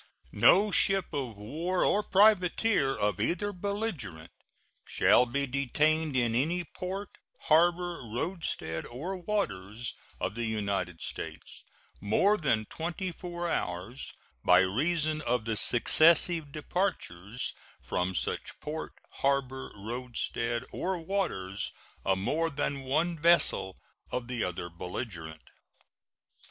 No ship of war or privateer of either belligerent shall be detained in any port, harbor, roadstead, or waters of the United States more than twenty four hours by reason of the successive departures from such port, harbor, roadstead, or waters of more than one vessel of the other belligerent.